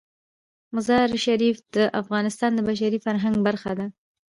مزارشریف د افغانستان د بشري فرهنګ برخه ده.